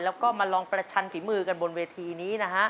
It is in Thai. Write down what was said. แล้วก็มาลองประชันฝีมือกันบนเวทีนี้นะฮะ